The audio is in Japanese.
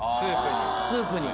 スープに。